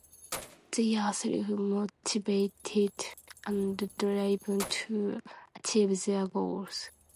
They are self-motivated and driven to achieve their goals.